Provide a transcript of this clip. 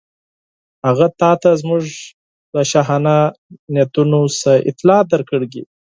هغه تاته زموږ له شاهانه نیتونو څخه اطلاع درکړې.